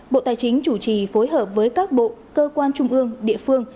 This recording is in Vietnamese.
bộ tài chính chủ trì phối hợp với các bộ cơ quan trung ương địa phương